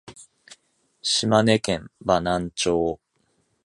島根県邑南町